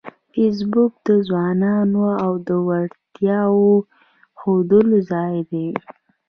فېسبوک د ځوانانو د وړتیاوو ښودلو ځای دی